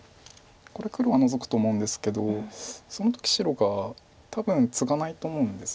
これ黒はノゾくと思うんですけどその時白が多分ツガないと思うんですよね。